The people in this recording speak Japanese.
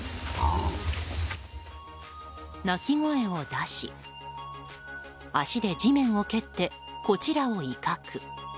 鳴き声を出し脚で地面を蹴ってこちらを威嚇。